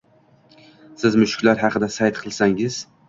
Siz mushuklar haqida sayt qilsangiz